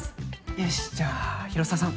よしじゃあ広沢さん